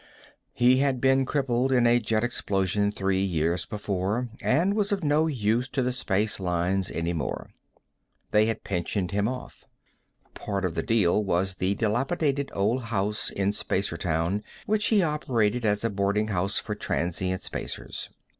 He had been crippled in a jet explosion three years before, and was of no use to the Spacelines any more. They had pensioned him off. Part of the deal was the dilapidated old house in Spacertown which he operated as a boarding house for transient Spacers.